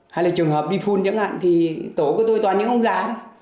hay là trường hợp đi phun chẳng hạn thì tổ của tôi toàn những ông già đó